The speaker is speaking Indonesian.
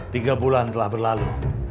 tiga bulan telah berlalu